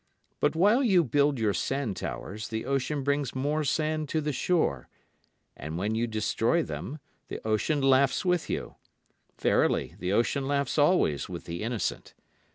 But while you build your sand towers the ocean brings more sand to the shore, And when you destroy them the ocean laughs with you. Verily the ocean laughs always with the innocent.